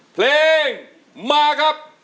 เพลงมาครับ